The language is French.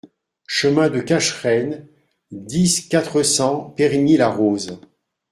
Chemin de Cachereine, dix, quatre cents Périgny-la-Rose